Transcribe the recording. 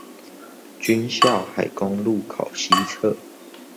軍校海功路口西側